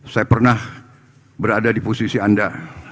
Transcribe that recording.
saya pernah berada di posisi anda